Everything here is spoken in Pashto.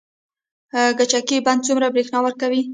کجکي بند څومره بریښنا ورکوي؟